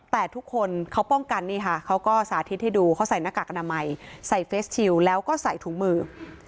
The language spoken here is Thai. แต่ทุกคนเขาป้องกันนี่ค่ะเขาก็สาธิตให้ดูเขาใส่หน้ากากอนามัยใส่เฟสชิลแล้วก็ใส่ถุงมือ